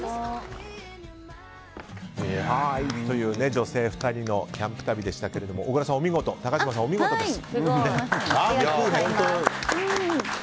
女性２人のキャンプ旅でしたけども小倉さん、お見事高嶋さん、お見事です。